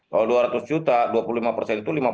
kalau dua ratus juta dua puluh lima persilih